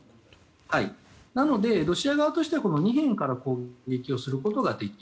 なので、ロシア側としてはこの二辺から攻撃できる。